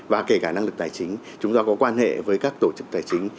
và kể cả năng lực tài chính chúng ta có quan hệ với các tổ chức tài chính